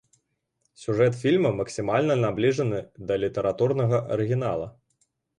Сюжэт фільма максімальна набліжаны да літаратурнага арыгінала.